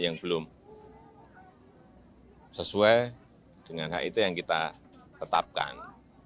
yang belum sesuai dengan hit yang kita tetapkan